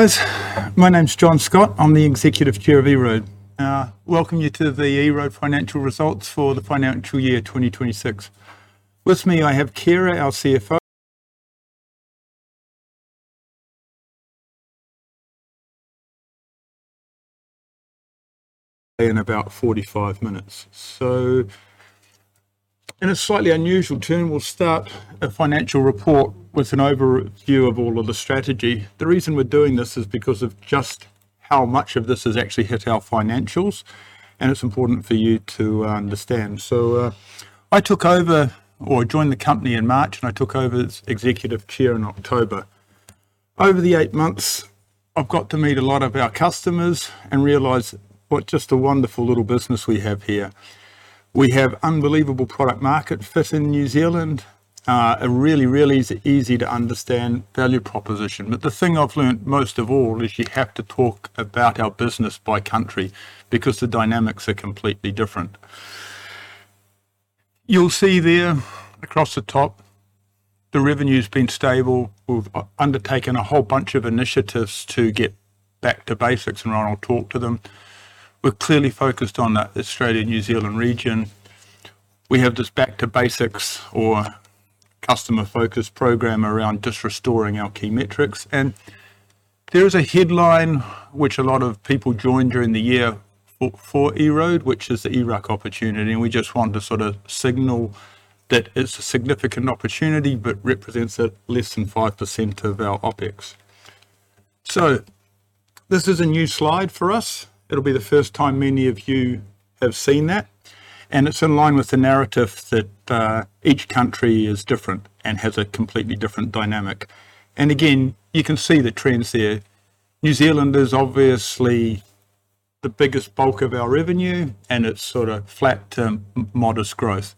Guys, my name's John Scott. I'm the Executive Chair of EROAD. Welcome you to the EROAD financial results for the financial year 2026. With me, I have Ciara, our CFO. In about 45 minutes. In a slightly unusual turn, we'll start a financial report with an overview of all of the strategy. The reason we're doing this is because of just how much of this has actually hit our financials, and it's important for you to understand. I took over, or joined the company in March, and I took over as Executive Chair in October. Over the eight months, I've got to meet a lot of our customers and realize what just a wonderful little business we have here. We have unbelievable product market fit in New Zealand. A really, really easy to understand value proposition. The thing I've learned most of all is you have to talk about our business by country, because the dynamics are completely different. You'll see there across the top, the revenue's been stable. We've undertaken a whole bunch of initiatives to get back to basics, and Ryan will talk to them. We're clearly focused on that Australia-New Zealand region. We have this back to basics or customer focus program around just restoring our key metrics. There is a headline which a lot of people joined during the year for EROAD, which is the eRUC opportunity, and we just wanted to sort of signal that it's a significant opportunity, but represents less than 5% of our OpEx. This is a new slide for us. It'll be the first time many of you have seen that, and it's in line with the narrative that each country is different and has a completely different dynamic. Again, you can see the trends there. New Zealand is obviously the biggest bulk of our revenue, and it's sort of flat to modest growth.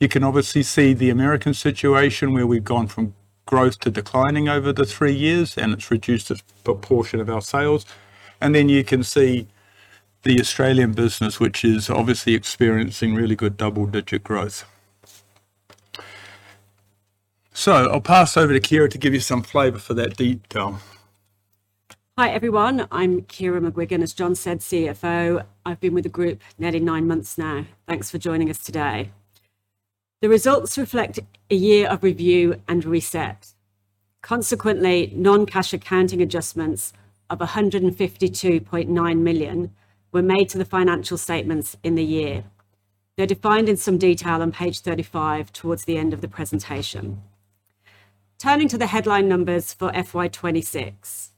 You can obviously see the American situation, where we've gone from growth to declining over the three years, and it's reduced a proportion of our sales. Then you can see the Australian business, which is obviously experiencing really good double-digit growth. I'll pass over to Ciara to give you some flavor for that detail. Hi, everyone. I'm Ciara McGuigan. As John said, CFO. I've been with the group nearly nine months now. Thanks for joining us today. The results reflect a year of review and reset. Consequently, non-cash accounting adjustments of 152.9 million were made to the financial statements in the year. They're defined in some detail on page 35 towards the end of the presentation. Turning to the headline numbers for FY 2026.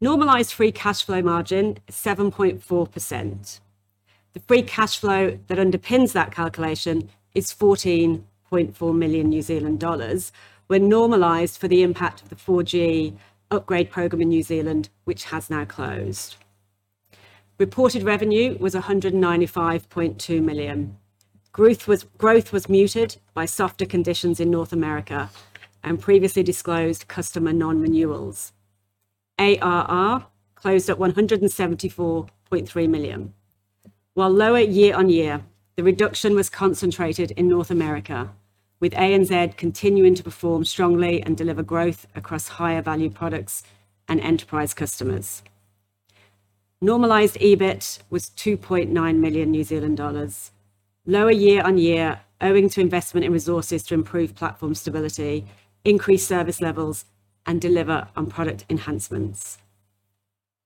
Normalized free cash flow margin, 7.4%. The free cash flow that underpins that calculation is 14.4 million New Zealand dollars when normalized for the impact of the 4G upgrade program in New Zealand, which has now closed. Reported revenue was 195.2 million. Growth was muted by softer conditions in North America and previously disclosed customer non-renewals. ARR closed at 174.3 million. While lower year-over-year, the reduction was concentrated in North America, with ANZ continuing to perform strongly and deliver growth across higher value products and enterprise customers. Normalized EBIT was 2.9 million New Zealand dollars. Lower year-over-year, owing to investment in resources to improve platform stability, increase service levels, and deliver on product enhancements.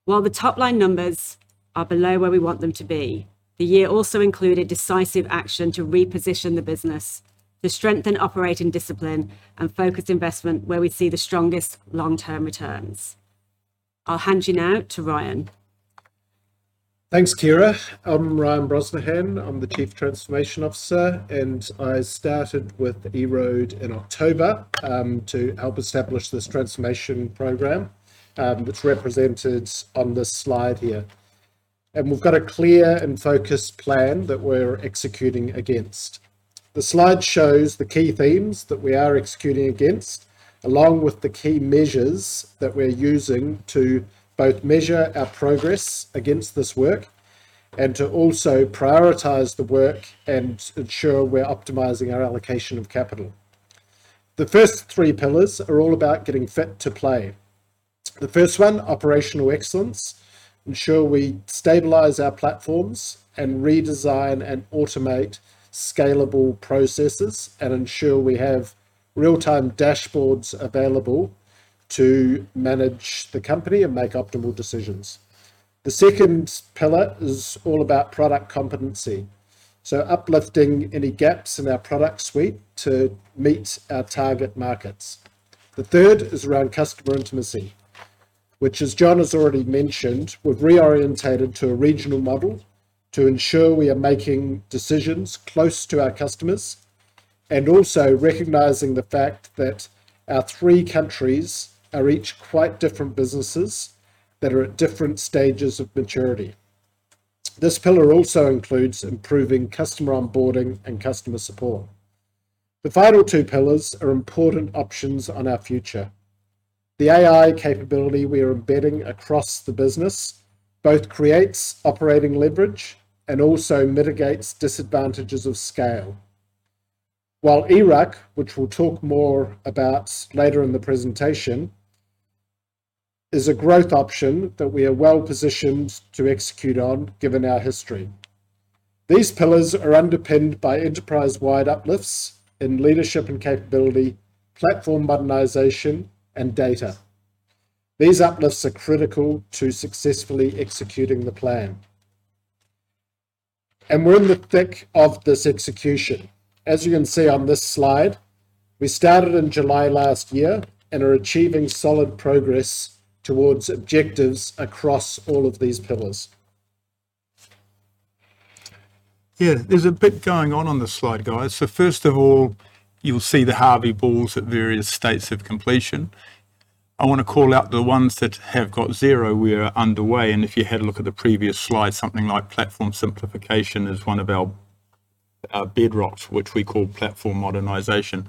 While the top line numbers are below where we want them to be, the year also included decisive action to reposition the business to strengthen operating discipline and focus investment where we see the strongest long-term returns. I'll hand you now to Ryan. Thanks, Ciara. I'm Ryan Brosnahan. I'm the Chief Transformation Officer. I started with EROAD in October, to help establish this transformation program, that's represented on this slide here. We've got a clear and focused plan that we're executing against. The slide shows the key themes that we are executing against, along with the key measures that we're using to both measure our progress against this work and to also prioritize the work and ensure we're optimizing our allocation of capital. The first three pillars are all about getting fit to play. The first one, operational excellence, ensure we stabilize our platforms and redesign and automate scalable processes and ensure we have real-time dashboards available to manage the company and make optimal decisions. The second pillar is all about product competency, so uplifting any gaps in our product suite to meet our target markets. The third is around customer intimacy, which, as John has already mentioned, we've reoriented to a regional model to ensure we are making decisions close to our customers and also recognizing the fact that our three countries are each quite different businesses that are at different stages of maturity. This pillar also includes improving customer onboarding and customer support. The final two pillars are important options on our future. The AI capability we are embedding across the business both creates operating leverage and also mitigates disadvantages of scale. While eRUC, which we'll talk more about later in the presentation, is a growth option that we are well-positioned to execute on given our history. These pillars are underpinned by enterprise-wide uplifts in leadership and capability, platform modernization, and data. These uplifts are critical to successfully executing the plan. We're in the thick of this execution. As you can see on this slide, we started in July last year and are achieving solid progress towards objectives across all of these pillars. Yeah, there's a bit going on on the slide, guys. First of all, you'll see the Harvey balls at various states of completion. I want to call out the ones that have got 0. We are underway, and if you had a look at the previous slide, something like platform simplification is one of our bedrocks, which we call platform modernization.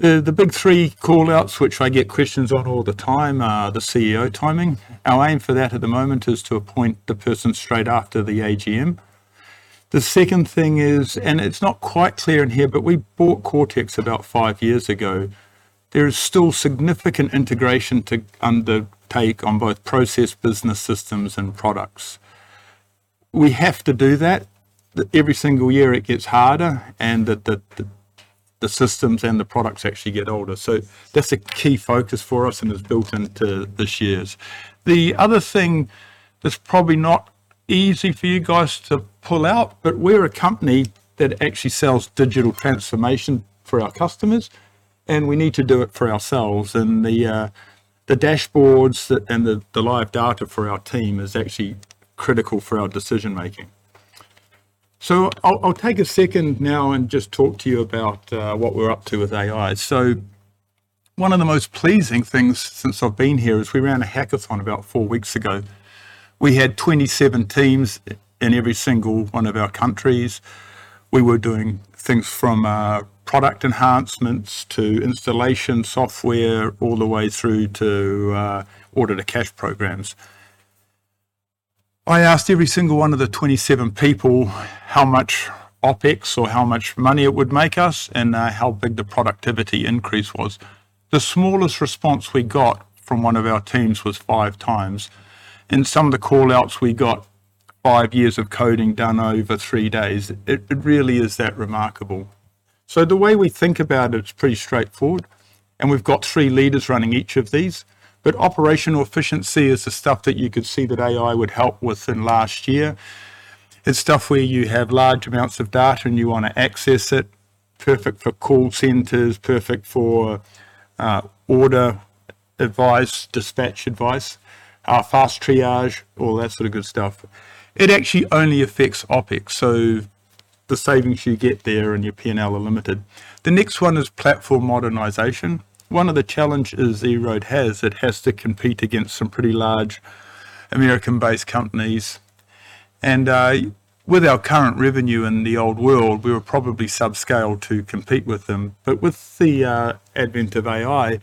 The big three call-outs, which I get questions on all the time, are the CEO timing. Our aim for that at the moment is to appoint the person straight after the AGM. The second thing is, and it's not quite clear in here, but we bought Coretex about five years ago. There is still significant integration to undertake on both process business systems and products. We have to do that. Every single year, it gets harder, and the systems and the products actually get older. That's a key focus for us and is built into this year's. The other thing that's probably not easy for you guys to pull out, but we're a company that actually sells digital transformation for our customers, and we need to do it for ourselves. The dashboards and the live data for our team is actually critical for our decision making. I'll take a second now and just talk to you about what we're up to with AI. One of the most pleasing things since I've been here is we ran a hackathon about four weeks ago. We had 27 teams in every single one of our countries. We were doing things from product enhancements to installation software, all the way through to order-to-cash programs. I asked every single one of the 27 people how much OpEx or how much money it would make us and how big the productivity increase was. The smallest response we got from one of our teams was five times. In some of the call-outs, we got five years of coding done over three days. It really is that remarkable. The way we think about it is pretty straightforward, and we've got three leaders running each of these. Operational efficiency is the stuff that you could see that AI would help with in last year. It's stuff where you have large amounts of data and you want to access it. Perfect for call centers, perfect for order advice, dispatch advice, fast triage, all that sort of good stuff. It actually only affects OpEx, so the savings you get there and your P&L are limited. The next one is platform modernization. One of the challenges EROAD has, it has to compete against some pretty large American-based companies. With our current revenue in the old world, we were probably subscale to compete with them. With the advent of AI,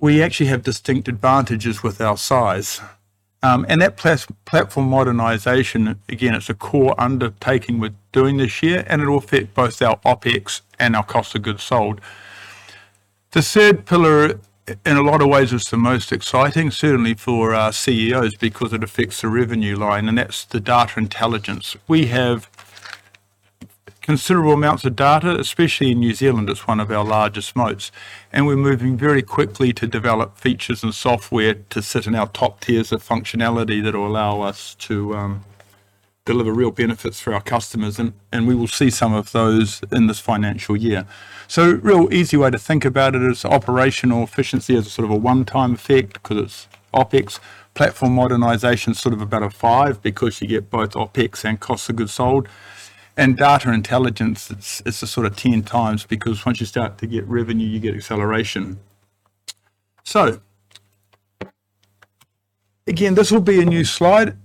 we actually have distinct advantages with our size. That platform modernization, again, it's a core undertaking we're doing this year, and it will affect both our OpEx and our cost of goods sold. The third pillar, in a lot of ways, is the most exciting, certainly for our CEOs, because it affects the revenue line, and that's the data intelligence. We have considerable amounts of data, especially in New Zealand. It's one of our largest moats, and we're moving very quickly to develop features and software to sit in our top tiers of functionality that will allow us to deliver real benefits for our customers. We will see some of those in this financial year. Real easy way to think about it is operational efficiency as sort of a one-time effect because it's OpEx. Platform modernization, sort of about a 5 because you get both OpEx and cost of goods sold. Data intelligence, it's a sort of 10x because once you start to get revenue, you get acceleration. Again, this will be a new slide.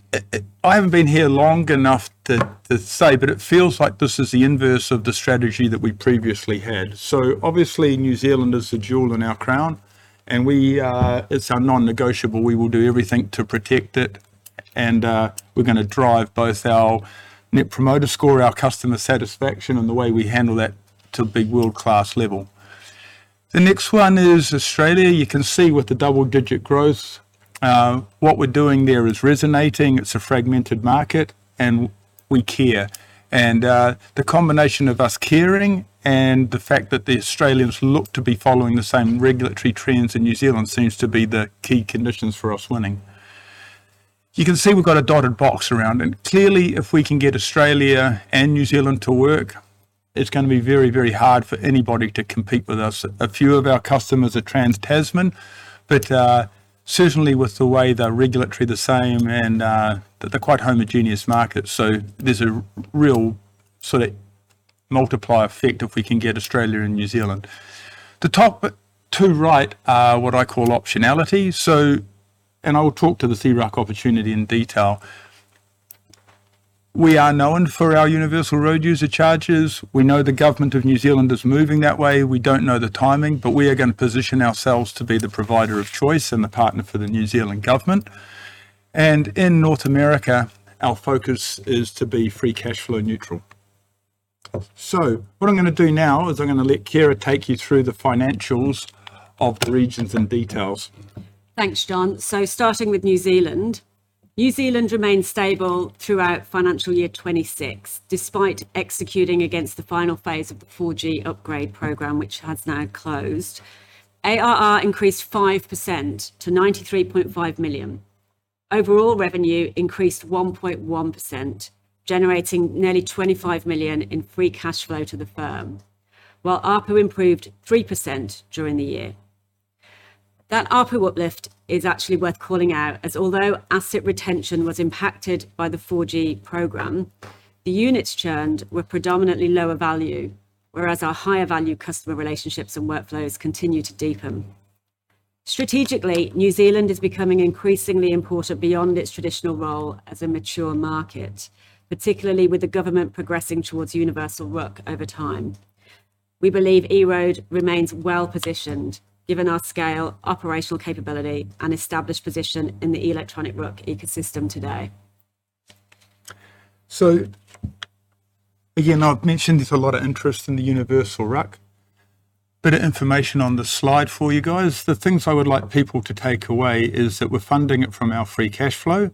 I haven't been here long enough to say, but it feels like this is the inverse of the strategy that we previously had. Obviously, New Zealand is the jewel in our crown, and it's our non-negotiable. We will do everything to protect it, and we're going to drive both our net promoter score, our customer satisfaction, and the way we handle that to a big world-class level. The next one is Australia. You can see with the double-digit growth, what we're doing there is resonating. It's a fragmented market, and we care. The combination of us caring and the fact that the Australians look to be following the same regulatory trends in New Zealand seems to be the key conditions for us winning. You can see we've got a dotted box around it. Clearly, if we can get Australia and New Zealand to work, it's going to be very, very hard for anybody to compete with us. A few of our customers are Trans-Tasman, but certainly with the way their regulatory the same and they're quite homogeneous markets. There's a real sort of multiplier effect if we can get Australia and New Zealand. The top two right are what I call optionality. I'll talk to the eRUC opportunity in detail. We are known for our universal road user charges. We know the government of New Zealand is moving that way. We don't know the timing, we are going to position ourselves to be the provider of choice and the partner for the New Zealand government. In North America, our focus is to be free cash flow neutral. What I'm going to do now is I'm going to let Ciara take you through the financials of the regions and details. Thanks, John. Starting with New Zealand. New Zealand remained stable throughout financial year 2026, despite executing against the final phase of the 4G upgrade program, which has now closed. ARR increased 5% to 93.5 million. Overall revenue increased 1.1%, generating nearly 25 million in free cash flow to the firm, while ARPU improved 3% during the year. That ARPU uplift is actually worth calling out, as although asset retention was impacted by the 4G program, the units churned were predominantly lower value, whereas our higher value customer relationships and workflows continue to deepen. Strategically, New Zealand is becoming increasingly important beyond its traditional role as a mature market, particularly with the government progressing towards universal RUC over time. We believe EROAD remains well-positioned given our scale, operational capability, and established position in the electronic RUC ecosystem today. Again, I've mentioned there's a lot of interest in the universal RUC. Bit of information on the slide for you guys. The things I would like people to take away is that we're funding it from our free cash flow.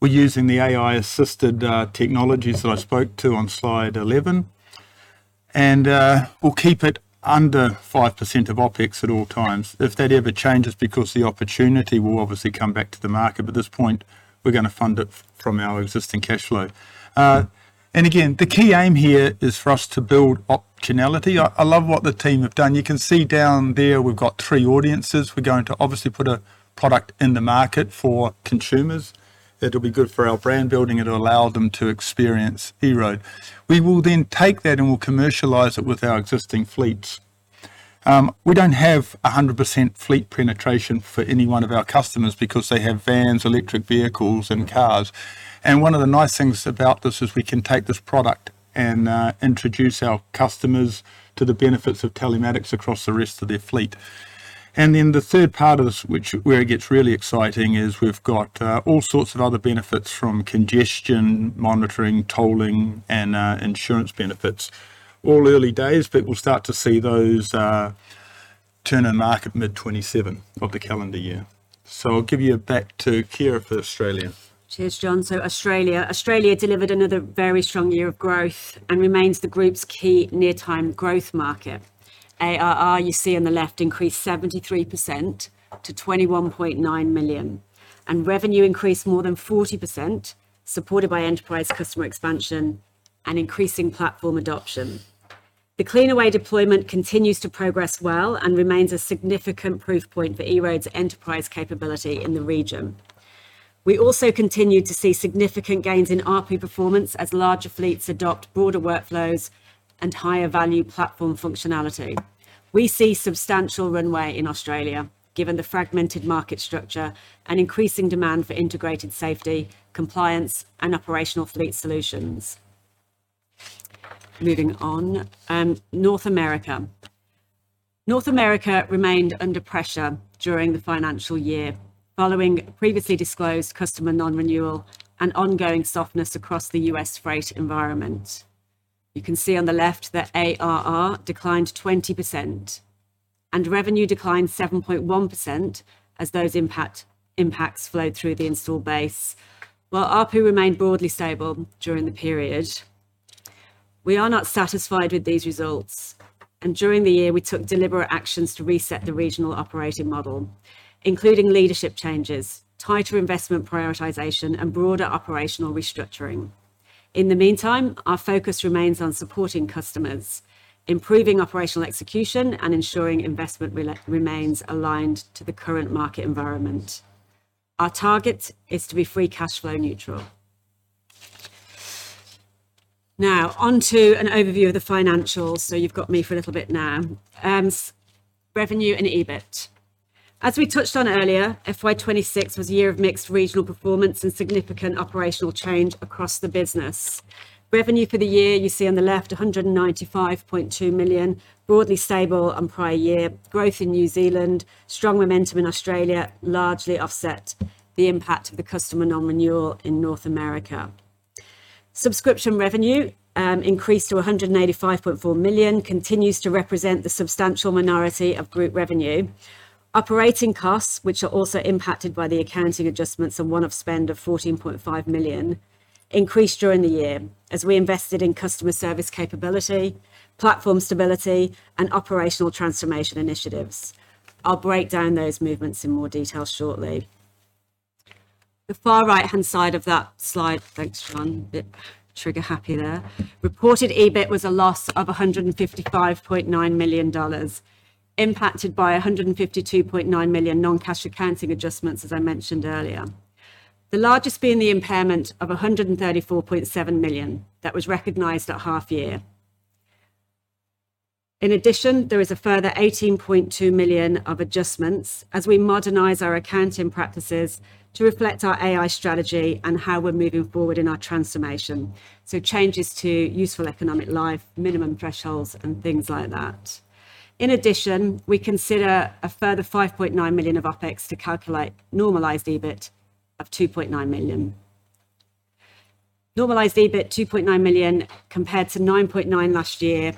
We're using the AI-assisted technologies that I spoke to on slide 11. We'll keep it under 5% of OpEx at all times. If that ever changes, because the opportunity will obviously come back to the market, but at this point, we're going to fund it from our existing cash flow. Again, the key aim here is for us to build optionality. I love what the team have done. You can see down there, we've got three audiences. We're going to obviously put a product in the market for consumers that'll be good for our brand building. It'll allow them to experience EROAD. We will then take that, and we'll commercialize it with our existing fleets. We don't have 100% fleet penetration for any one of our customers because they have vans, electric vehicles, and cars. One of the nice things about this is we can take this product and introduce our customers to the benefits of telematics across the rest of their fleet. Then the third part of this, where it gets really exciting, is we've got all sorts of other benefits from congestion monitoring, tolling, and insurance benefits. All early days, but we'll start to see those turn to market mid 2027 of the calendar year. I'll give you back to Ciara for Australia. Cheers, John. Australia. Australia delivered another very strong year of growth and remains the group's key near-time growth market. ARR, you see on the left, increased 73% to 21.9 million, and revenue increased more than 40%, supported by enterprise customer expansion and increasing platform adoption. The Cleanaway deployment continues to progress well and remains a significant proof point for EROAD's enterprise capability in the region. We also continue to see significant gains in ARPU performance as larger fleets adopt broader workflows and higher value platform functionality. We see substantial runway in Australia, given the fragmented market structure and increasing demand for integrated safety, compliance, and operational fleet solutions. Moving on. North America. North America remained under pressure during the financial year following previously disclosed customer non-renewal and ongoing softness across the U.S. freight environment. You can see on the left that ARR declined 20% and revenue declined 7.1% as those impacts flowed through the installed base, while ARPU remained broadly stable during the period. We are not satisfied with these results, and during the year we took deliberate actions to reset the regional operating model, including leadership changes, tighter investment prioritization, and broader operational restructuring. In the meantime, our focus remains on supporting customers, improving operational execution, and ensuring investment remains aligned to the current market environment. Our target is to be free cash flow neutral. Onto an overview of the financials. You've got me for a little bit now. Revenue and EBIT. As we touched on earlier, FY 2026 was a year of mixed regional performance and significant operational change across the business. Revenue for the year, you see on the left, 195.2 million, broadly stable on prior year. Growth in New Zealand, strong momentum in Australia largely offset the impact of the customer non-renewal in North America. Subscription revenue, increased to 185.4 million, continues to represent the substantial majority of group revenue. Operating costs, which are also impacted by the accounting adjustments and one-off spend of 14.5 million, increased during the year as we invested in customer service capability, platform stability, and operational transformation initiatives. I'll break down those movements in more detail shortly. The far right-hand side of that slide, thanks, John. Bit trigger happy there. Reported EBIT was a loss of 155.9 million dollars, impacted by 152.9 million non-cash accounting adjustments, as I mentioned earlier. The largest being the impairment of 134.7 million that was recognized at half year. There is a further 18.2 million of adjustments as we modernize our accounting practices to reflect our AI strategy and how we're moving forward in our transformation. Changes to useful economic life, minimum thresholds, and things like that. We consider a further 5.9 million of OpEx to calculate normalized EBIT of 2.9 million. Normalized EBIT 2.9 million compared to 9.9 million last year.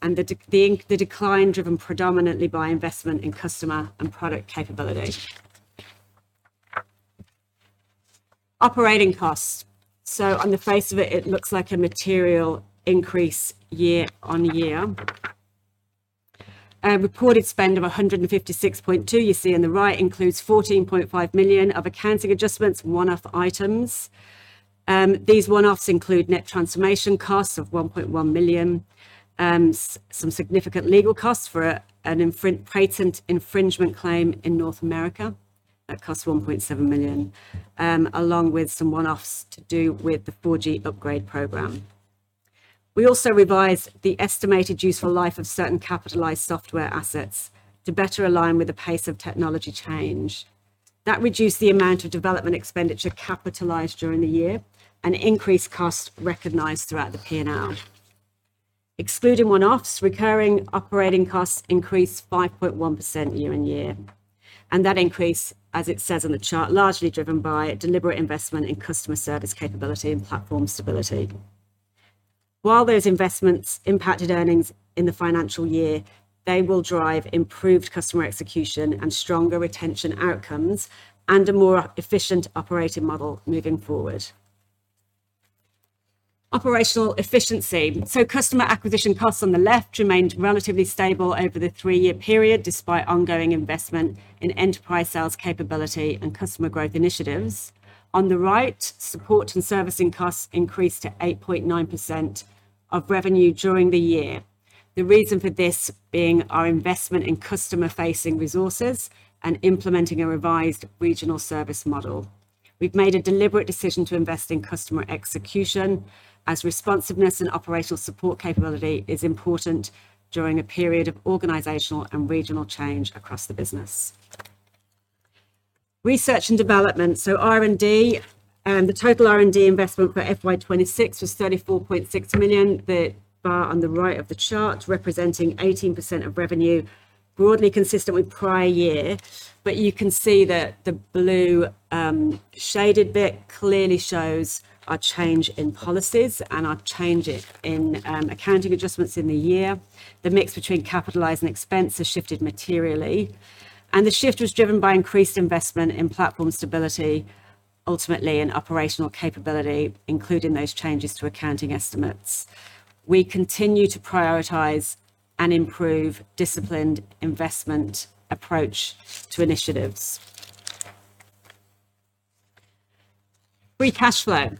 The decline driven predominantly by investment in customer and product capability. Operating costs. On the face of it looks like a material increase year-on-year. A reported spend of 156.2 million you see on the right includes 14.5 million of accounting adjustments, one-off items. These one-offs include net transformation costs of 1.1 million, some significant legal costs for a patent infringement claim in North America that cost 1.7 million, along with some one-offs to do with the 4G upgrade program. We also revised the estimated useful life of certain capitalized software assets to better align with the pace of technology change. That reduced the amount of development expenditure capitalized during the year and increased costs recognized throughout the P&L. Excluding one-offs, recurring operating costs increased 5.1% year-on-year. That increase, as it says on the chart, largely driven by deliberate investment in customer service capability and platform stability. While those investments impacted earnings in the financial year, they will drive improved customer execution and stronger retention outcomes and a more efficient operating model moving forward. Operational efficiency. Customer acquisition costs on the left remained relatively stable over the three-year period, despite ongoing investment in enterprise sales capability and customer growth initiatives. On the right, support and servicing costs increased to 8.9% of revenue during the year. The reason for this being our investment in customer-facing resources and implementing a revised regional service model. We've made a deliberate decision to invest in customer execution, as responsiveness and operational support capability is important during a period of organizational and regional change across the business. Research and development. R&D. The total R&D investment for FY 2026 was 34.6 million. The bar on the right of the chart representing 18% of revenue, broadly consistent with prior year. You can see that the blue shaded bit clearly shows a change in policies and a change in accounting adjustments in the year. The mix between capitalize and expense has shifted materially, and the shift was driven by increased investment in platform stability, ultimately in operational capability, including those changes to accounting estimates. We continue to prioritize and improve disciplined investment approach to initiatives. Free cash flow.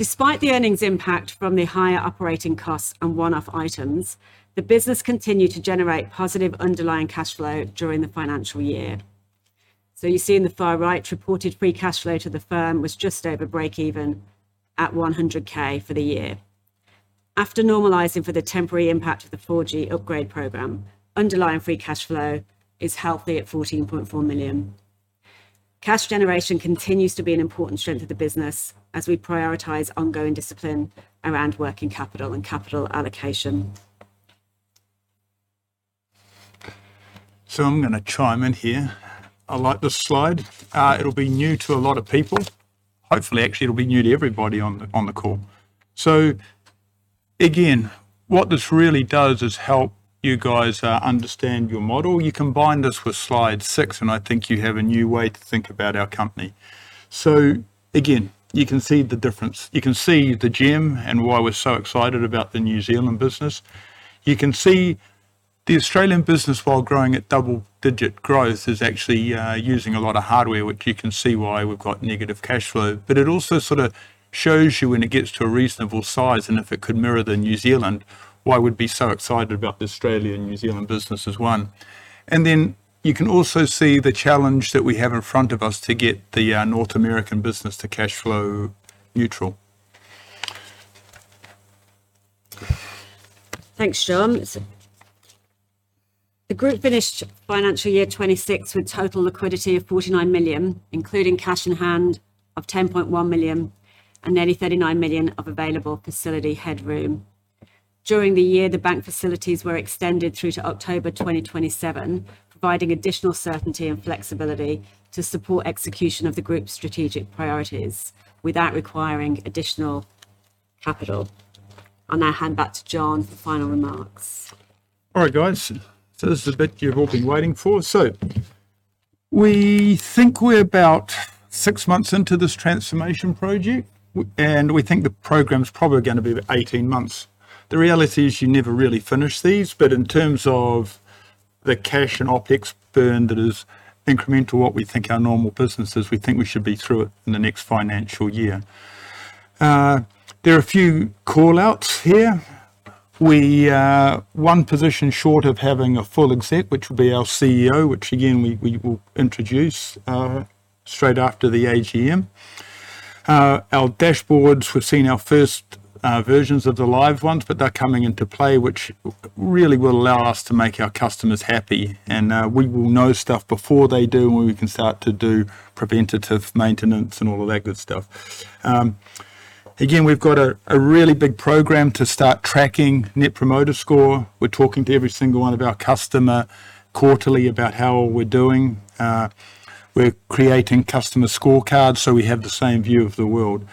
Despite the earnings impact from the higher operating costs and one-off items, the business continued to generate positive underlying cash flow during the financial year. You see on the far right, reported free cash flow to the firm was just over breakeven at 100K for the year. After normalizing for the temporary impact of the 4G upgrade program, underlying free cash flow is healthy at 14.4 million. Cash generation continues to be an important strength of the business as we prioritize ongoing discipline around working capital and capital allocation. I'm going to chime in here. I like this slide. It'll be new to a lot of people. Hopefully, actually, it'll be new to everybody on the call. Again, what this really does is help you guys understand your model. You combine this with slide 6, and I think you have a new way to think about our company. Again, you can see the difference. You can see the gem and why we're so excited about the New Zealand business. You can see the Australian business, while growing at double-digit growth, is actually using a lot of hardware, which you can see why we've got negative cash flow. It also sort of shows you when it gets to a reasonable size, and if it could mirror the New Zealand, why we'd be so excited about the Australian-New Zealand business as one. You can also see the challenge that we have in front of us to get the North American business to cash flow neutral. Thanks, John. The group finished financial year 2026 with total liquidity of 49 million, including cash in hand of 10.1 million and nearly 39 million of available facility headroom. During the year, the bank facilities were extended through to October 2027, providing additional certainty and flexibility to support execution of the group's strategic priorities without requiring additional capital. I'll now hand back to John for final remarks. All right, guys. This is the bit you've all been waiting for. We think we're about six months into this transformation project, and we think the program's probably going to be 18 months. The reality is you never really finish these, but in terms of the cash and OpEx burn that is incremental to what we think our normal business is, we think we should be through it in the next financial year. There are a few call-outs here. We are one position short of having a full exec, which will be our CEO, which again, we will introduce straight after the AGM. Our dashboards, we've seen our first versions of the live ones, but they're coming into play, which really will allow us to make our customers happy. We will know stuff before they do, and we can start to do preventative maintenance and all of that good stuff. Again, we've got a really big program to start tracking net promoter score. We're talking to every single one of our customer quarterly about how we're doing. We're creating customer scorecards, so we have the same view of the world.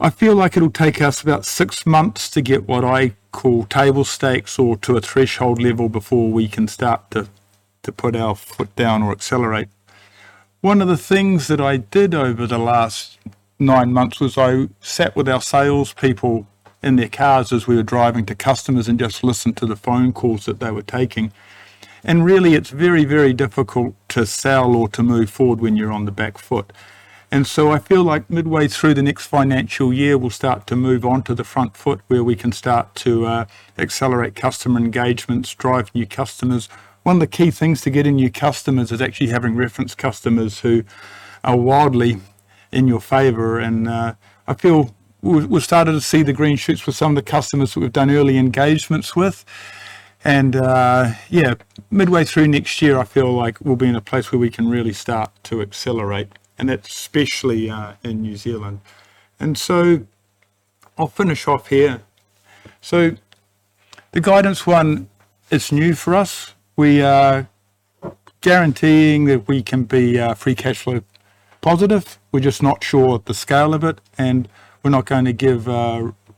I feel like it'll take us about six months to get what I call table stakes or to a threshold level before we can start to put our foot down or accelerate. One of the things that I did over the last nine months, was I sat with our salespeople in their cars as we were driving to customers and just listened to the phone calls that they were taking. Really, it's very, very difficult to sell or to move forward when you're on the back foot. I feel like midway through the next financial year, we'll start to move onto the front foot where we can start to accelerate customer engagements, drive new customers. One of the key things to getting new customers is actually having reference customers who are wildly in your favor, and I feel we're starting to see the green shoots with some of the customers that we've done early engagements with. Yeah, midway through next year, I feel like we'll be in a place where we can really start to accelerate, and especially, in New Zealand. I'll finish off here. The guidance one, it's new for us. We are guaranteeing that we can be free cash flow positive. We're just not sure of the scale of it, and we're not going to give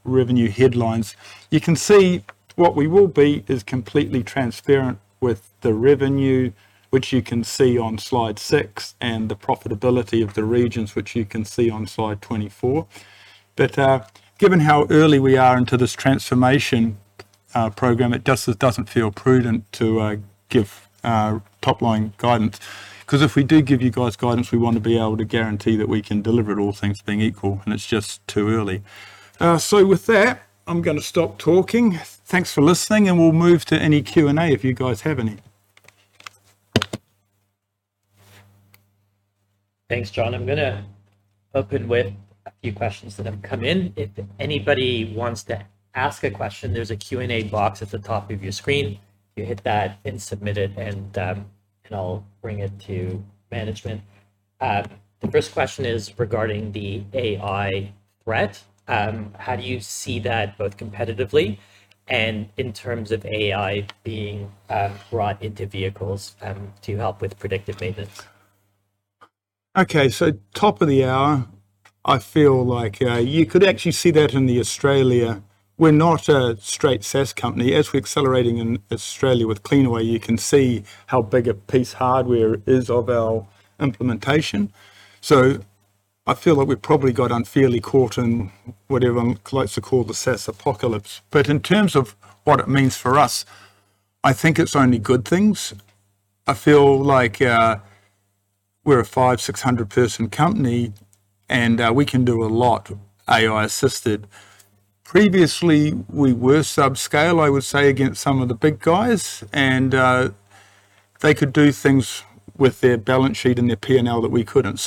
revenue headlines. You can see what we will be is completely transparent with the revenue, which you can see on slide six, and the profitability of the regions, which you can see on slide 24. Given how early we are into this transformation program, it just doesn't feel prudent to give top-line guidance. If we do give you guys guidance, we want to be able to guarantee that we can deliver it all things being equal, and it's just too early. With that, I'm going to stop talking. Thanks for listening, and we'll move to any Q&A if you guys have any. Thanks, John. I'm going to open with a few questions that have come in. If anybody wants to ask a question, there's a Q&A box at the top of your screen. If you hit that and submit it, and I'll bring it to management. The first question is regarding the AI threat. How do you see that both competitively and in terms of AI being brought into vehicles, to help with predictive maintenance? Okay. Top of the hour, I feel like you could actually see that in Australia. We're not a straight SaaS company. As we're accelerating in Australia with Cleanaway, you can see how big a piece hardware is of our implementation. I feel like we've probably got unfairly caught in whatever I'm close to call the SaaS apocalypse. In terms of what it means for us, I think it's only good things. I feel like we're a 500, 600 person company, and we can do a lot AI assisted. Previously, we were subscale, I would say, against some of the big guys, and they could do things with their balance sheet and their P&L that we couldn't.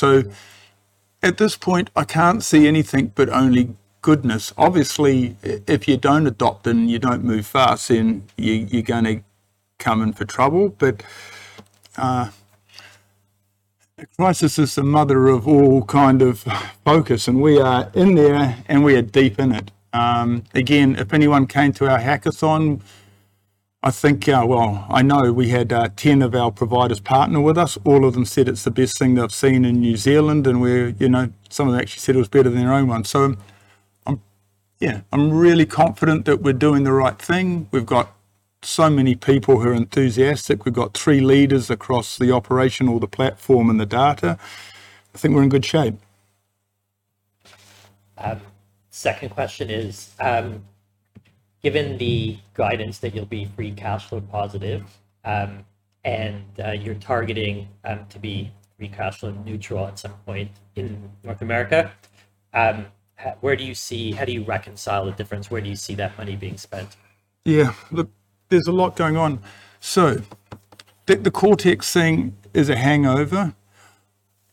At this point, I can't see anything but only goodness. Obviously, if you don't adopt and you don't move fast, then you're going to come in for trouble. A crisis is the mother of all kind of focus. We are in there, and we are deep in it. Again, if anyone came to our hackathon, I think, well, I know we had 10 of our providers partner with us. All of them said it's the best thing they've seen in New Zealand, and some of them actually said it was better than their own one. Yeah, I'm really confident that we're doing the right thing. We've got so many people who are enthusiastic. We've got three leaders across the operation or the platform and the data. I think we're in good shape. Second question is, given the guidance that you'll be free cash flow positive, and you're targeting to be free cash flow neutral at some point in North America, how do you reconcile the difference? Where do you see that money being spent? Yeah. Look, there's a lot going on. The Coretex thing is a hangover,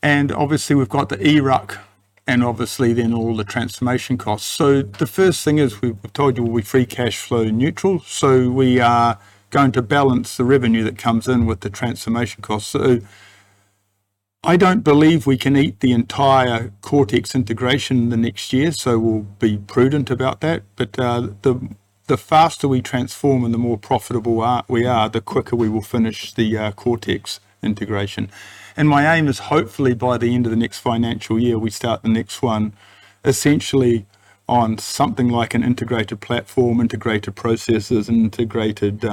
and obviously, we've got the eRUC and obviously then all the transformation costs. The first thing is, we've told you we'll be free cash flow neutral. We are going to balance the revenue that comes in with the transformation costs. I don't believe we can eat the entire Coretex integration in the next year, so we'll be prudent about that. The faster we transform and the more profitable we are, the quicker we will finish the Coretex integration. My aim is hopefully by the end of the next financial year, we start the next one essentially on something like an integrated platform, integrated processes, and integrated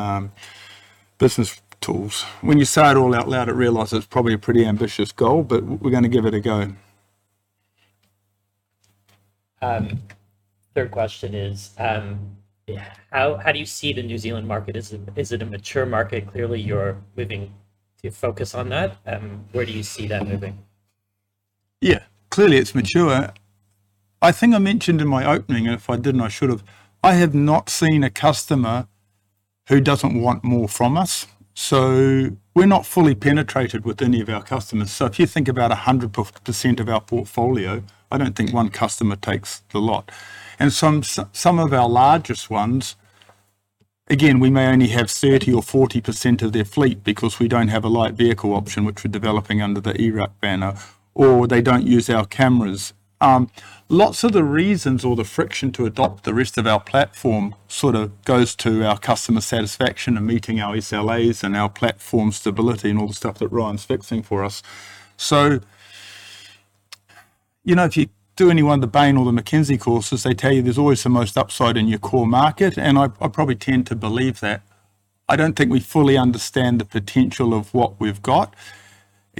business tools. When you say it all out loud, I realize it's probably a pretty ambitious goal, but we're going to give it a go. Third question is, how do you see the New Zealand market? Is it a mature market? Clearly, you're moving your focus on that. Where do you see that moving? Clearly, it's mature. I think I mentioned in my opening, and if I didn't, I should have, I have not seen a customer who doesn't want more from us. We're not fully penetrated with any of our customers. If you think about 100% of our portfolio, I don't think one customer takes the lot. Some of our largest ones-Again, we may only have 30% or 40% of their fleet because we don't have a light vehicle option, which we're developing under the EROAD banner, or they don't use our cameras. Lots of the reasons or the friction to adopt the rest of our platform goes to our customer satisfaction and meeting our SLAs and our platform stability and all the stuff that Ryan's fixing for us. If you do any one of the Bain or the McKinsey courses, they tell you there's always the most upside in your core market, and I probably tend to believe that. I don't think we fully understand the potential of what we've got.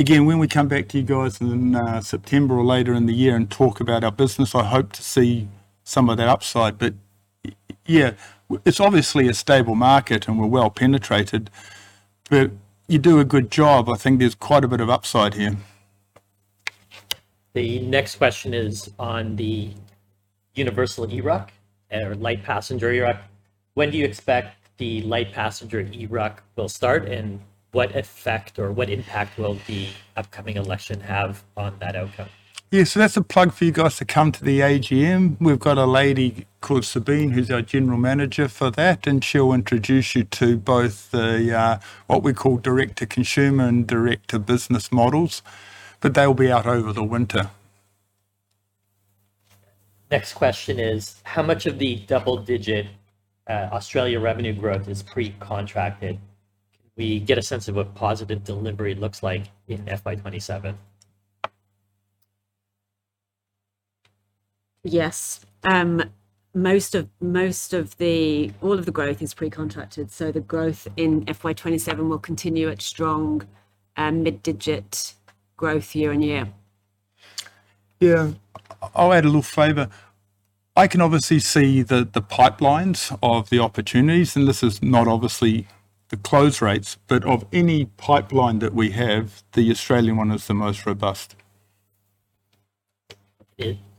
When we come back to you guys in September or later in the year and talk about our business, I hope to see some of that upside. Yeah, it's obviously a stable market, and we're well penetrated. You do a good job. I think there's quite a bit of upside here. The next question is on the universal eRUC or light passenger eRUC. When do you expect the light passenger eRUC will start, and what effect or what impact will the upcoming election have on that outcome? That's a plug for you guys to come to the AGM. We've got a lady called Sabine, who's our general manager for that, and she'll introduce you to both the, what we call direct-to-consumer and direct-to-business models. But they'll be out over the winter. Next question is, how much of the double-digit Australia revenue growth is pre-contracted? Can we get a sense of what positive delivery looks like in FY 2027? Yes. All of the growth is pre-contracted. The growth in FY 2027 will continue at strong mid-digit growth year-on-year. Yeah. I'll add a little flavor. I can obviously see the pipelines of the opportunities, and this is not obviously the close rates, but of any pipeline that we have, the Australian one is the most robust.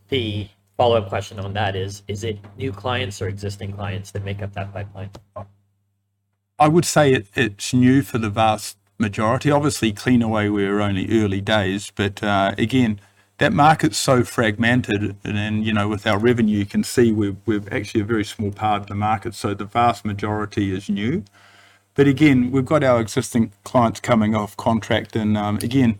The follow-up question on that is it new clients or existing clients that make up that pipeline? I would say it's new for the vast majority. Obviously, Cleanaway, we're only early days, but again, that market's so fragmented and with our revenue, you can see we're actually a very small part of the market. The vast majority is new. Again, we've got our existing clients coming off contract and, again,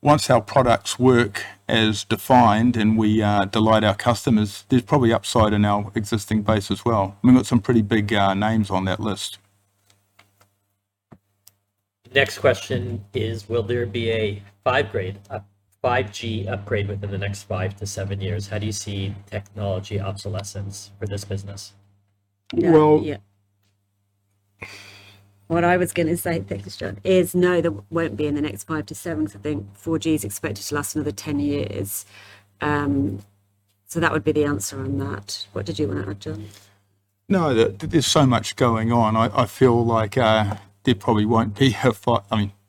once our products work as defined and we delight our customers, there's probably upside in our existing base as well. We've got some pretty big names on that list. Next question is, will there be a 5G upgrade within the next five to seven years? How do you see technology obsolescence for this business? Well- Yeah. What I was going to say, thanks, John, is no, there won't be in the next five to seven because I think 4G is expected to last another 10 years. That would be the answer on that. What did you want to add, John? No. There's so much going on. I feel like there probably won't be a,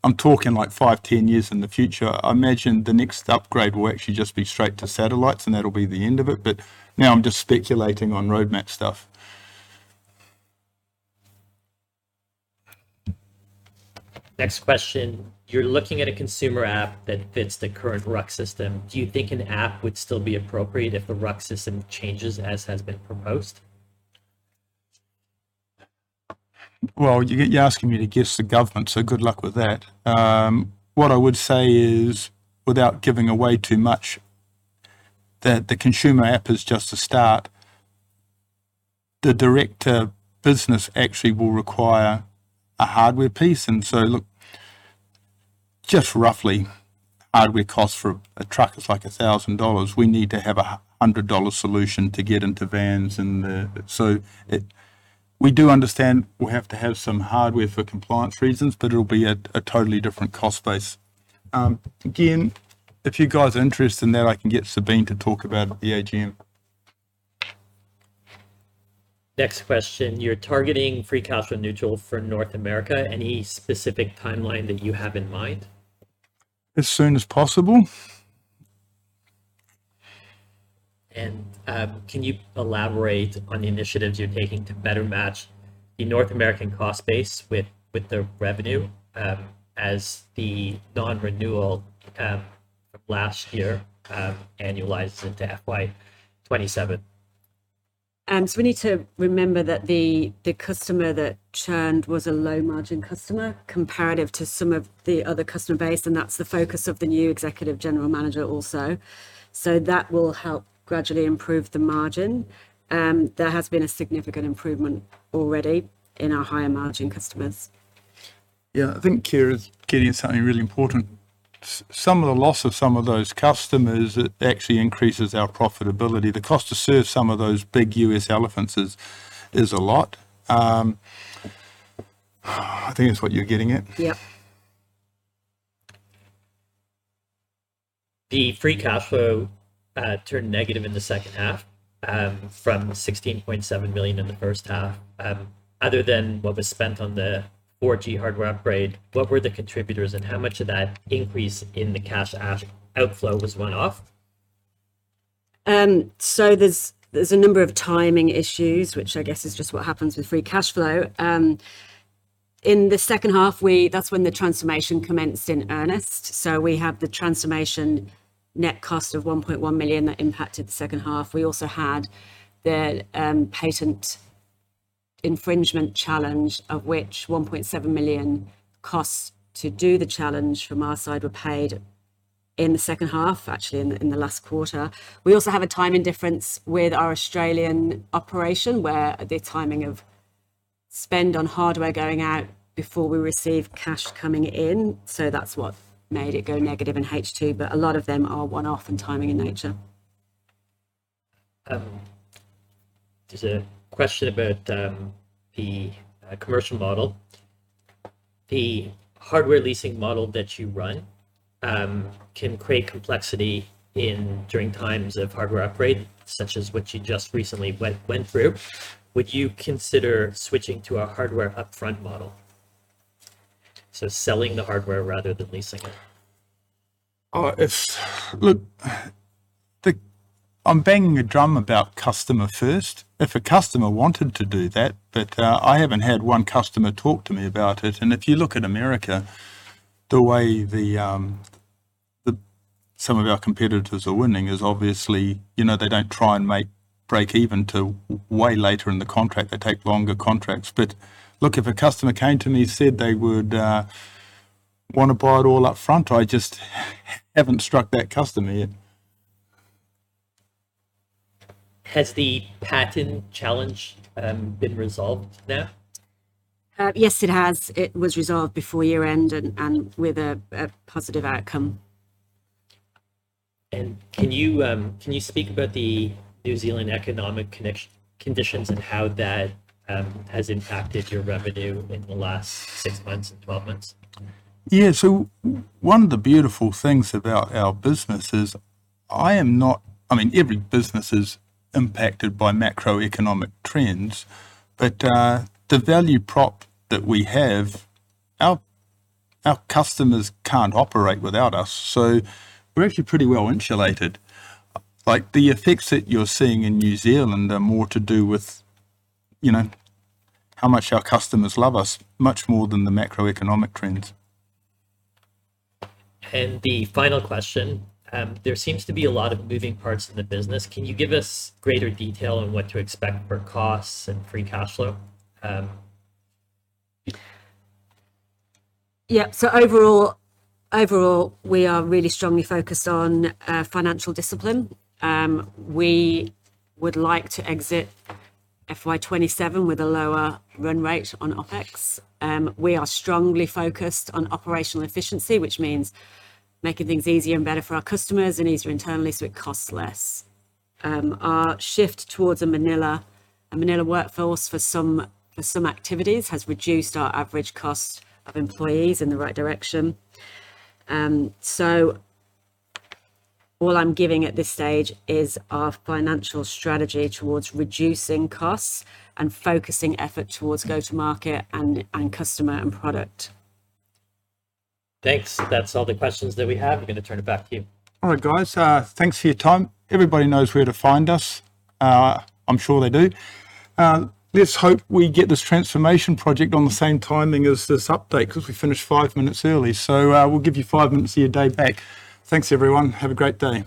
I'm talking like five, 10 years in the future. I imagine the next upgrade will actually just be straight to satellites, and that'll be the end of it. Now I'm just speculating on roadmap stuff. Next question. You're looking at a consumer app that fits the current RUC system. Do you think an app would still be appropriate if the RUC system changes as has been proposed? Well, you're asking me to guess the government, good luck with that. What I would say is, without giving away too much, that the consumer app is just a start. The direct-to-business actually will require a hardware piece. Look, just roughly, hardware costs for a truck is like 1,000 dollars. We need to have an 100 dollar solution to get into vans. We do understand we have to have some hardware for compliance reasons, it'll be a totally different cost base. Again, if you guys are interested in that, I can get Sabine to talk about it at the AGM. Next question. You're targeting free cash flow neutral for North America. Any specific timeline that you have in mind? As soon as possible. Can you elaborate on the initiatives you're taking to better match the North American cost base with the revenue, as the non-renewal from last year annualizes into FY 2027? We need to remember that the customer that churned was a low-margin customer comparative to some of the other customer base, and that's the focus of the new executive general manager also. That will help gradually improve the margin. There has been a significant improvement already in our higher margin customers. I think Ciara's getting at something really important. Some of the loss of some of those customers, it actually increases our profitability. The cost to serve some of those big U.S. elephants is a lot. I think that's what you're getting at. Yep. The free cash flow turned negative in the second half from 16.7 million in the first half. Other than what was spent on the 4G hardware upgrade, what were the contributors, and how much of that increase in the cash outflow was one-off? There's a number of timing issues, which I guess is just what happens with free cash flow. In the second half, that's when the transformation commenced in earnest. We have the transformation net cost of 1.1 million that impacted the second half. We also had the patent infringement challenge, of which 1.7 million costs to do the challenge from our side were paid in the second half, actually in the last quarter. We also have a time indifference with our Australian operation, where the timing of spend on hardware going out before we receive cash coming in. That's what made it go negative in H2. A lot of them are one-off and timing in nature. There's a question about the commercial model. The hardware leasing model that you run can create complexity during times of hardware upgrade, such as what you just recently went through. Would you consider switching to a hardware upfront model? Selling the hardware rather than leasing it. Look, I'm banging a drum about customer first. If a customer wanted to do that, but I haven't had one customer talk to me about it. If you look at America, the way some of our competitors are winning is obviously, they don't try and make break even till way later in the contract. They take longer contracts. Look, if a customer came to me, said they would want to buy it all up front, I just haven't struck that customer yet. Has the patent challenge been resolved now? Yes, it has. It was resolved before year-end and with a positive outcome. Can you speak about the New Zealand economic conditions and how that has impacted your revenue in the last six months and 12 months? Yeah. One of the beautiful things about our business is, every business is impacted by macroeconomic trends, but the value prop that we have, our customers can't operate without us, so we're actually pretty well-insulated. The effects that you're seeing in New Zealand are more to do with how much our customers love us, much more than the macroeconomic trends. The final question. There seems to be a lot of moving parts in the business. Can you give us greater detail on what to expect for costs and free cash flow? Yeah. Overall, we are really strongly focused on financial discipline. We would like to exit FY 2027 with a lower run rate on OpEx. We are strongly focused on operational efficiency, which means making things easier and better for our customers and easier internally so it costs less. Our shift towards a Manila workforce for some activities has reduced our average cost of employees in the right direction. All I'm giving at this stage is our financial strategy towards reducing costs and focusing effort towards go to market and customer and product. Thanks. That's all the questions that we have. I'm going to turn it back to you. All right, guys. Thanks for your time. Everybody knows where to find us. I'm sure they do. Let's hope we get this transformation project on the same timing as this update because we finished five minutes early. We'll give you five minutes of your day back. Thanks, everyone. Have a great day.